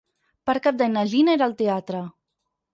Per Cap d'Any na Gina irà al teatre.